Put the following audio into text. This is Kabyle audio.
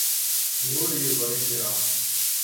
Ur yeḍri kra.